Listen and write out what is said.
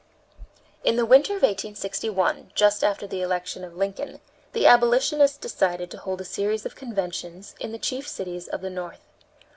In the winter of 1861, just after the election of Lincoln, the abolitionists decided to hold a series of conventions in the chief cities of the North.